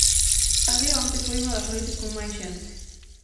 A de onte foi unha das noites con máis xente.